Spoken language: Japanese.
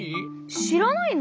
しらないの？